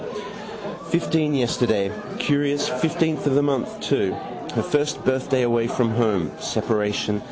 Fifteen yesterday. Curious, fifteenth of the month too. Her first birthday away from home. Separation.